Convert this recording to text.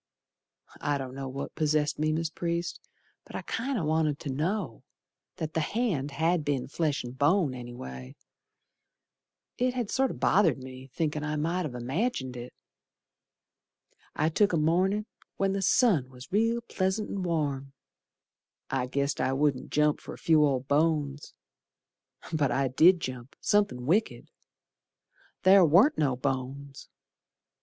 I don't know what possessed me, Mis' Priest, But I kinder wanted to know That the hand had been flesh and bone, anyway. It had sorter bothered me, thinkin' I might ha' imagined it. I took a mornin' when the sun was real pleasant and warm; I guessed I wouldn't jump for a few old bones. But I did jump, somethin' wicked. Ther warn't no bones!